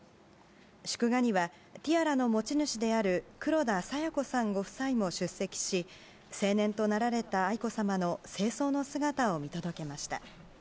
祝賀にはティアラの持ち主である黒田清子さんご夫妻も出席し成年となられた愛子さまの正装の姿を見届けました。